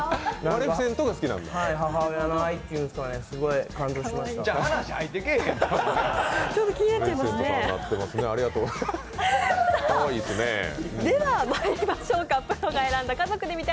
母親の愛っていうんですかね、すごい感動しました。